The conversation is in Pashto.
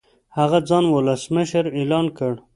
هغه ځان ولسمشر اعلان کړ.